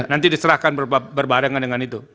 nanti diserahkan berbarengan dengan itu